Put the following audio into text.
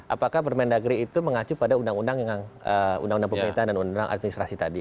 apakah permendagri itu mengacu pada undang undang pemerintahan dan uu administrasi tadi